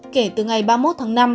kể từ ngày ba mươi một tháng năm